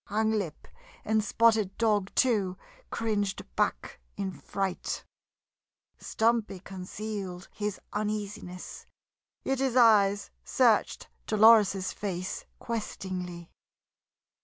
Hanglip and Spotted Dog, too, cringed back in fright. Stumpy concealed his uneasiness, yet his eyes searched Dolores's face questingly.